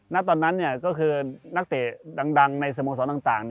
ณตอนนั้นก็คือนักเตะดังในสโมสรต่าง